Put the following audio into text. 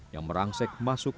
yang merangsek masuk